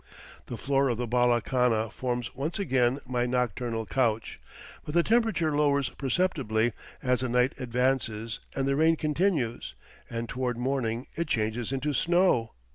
The floor of the bala khana forms once again my nocturnal couch; but the temperature lowers perceptibly as the night advances and the rain continues, and toward morning it changes into snow.